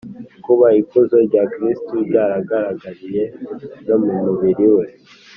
kuba ikuzo rya kristu ryaragaragariye no mu mubiri we